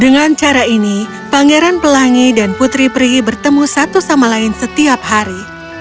dengan cara ini pangeran pelangi dan putri pri bertemu satu sama lain setiap hari